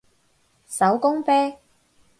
手工啤